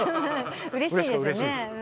うれしいですね。